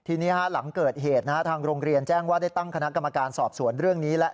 ทีนี้หลังเกิดเหตุทางโรงเรียนแจ้งว่าได้ตั้งคณะกรรมการสอบสวนเรื่องนี้แล้ว